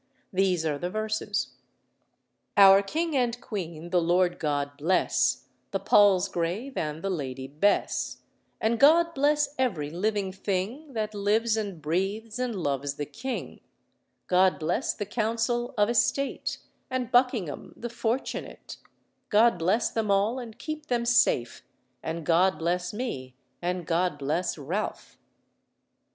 These are the verses: "Our king and queen the Lord God bless, The Palsgrave and the Lady Besse; And God bless every living thing That lives and breathes, and loves the king; God bless the Council of Estate, And Buckingham the fortunate; God bless them all, and keep them safe, And God bless me, and God bless Ralph."